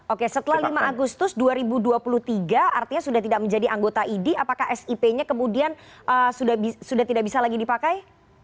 oke setelah lima agustus dua ribu dua puluh tiga artinya sudah tidak menjadi anggota idi apakah sip nya kemudian sudah tidak bisa lagi dipakai